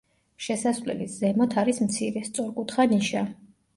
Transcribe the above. შესასვლელის ზემოთ არის მცირე, სწორკუთხა ნიშა.